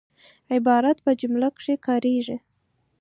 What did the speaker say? عبارت په جمله کښي کاریږي.